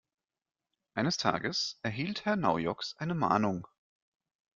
Eines Tages erhielt Herr Naujoks eine Mahnung.